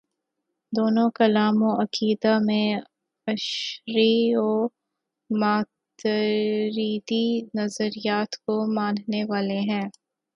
دونوں کلام و عقیدہ میں اشعری و ماتریدی نظریات کو ماننے والے ہیں۔